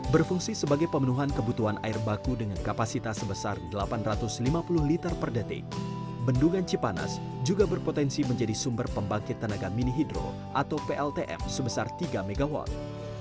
berfungsi sebagai pemenuhan kebutuhan air baku dengan kapasitas sebesar delapan ratus lima puluh liter per detik bendungan cipanas juga berpotensi menjadi sumber pembangkit tenaga mini hidro atau pltm sebesar tiga mw